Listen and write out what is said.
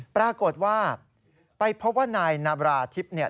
ปรากฏว่าไปเพราะว่านายนาราธิพย์